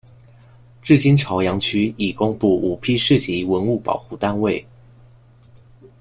至今潮阳区已公布五批市级文物保护单位。